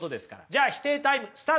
じゃあ否定タイムスタート！